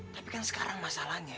tapi kan sekarang masalahnya